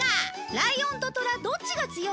ライオンとトラどっちが強い？